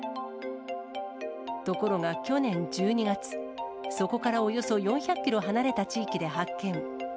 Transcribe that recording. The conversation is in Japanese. ところが去年１２月、そこからおよそ４００キロ離れた地域で発見。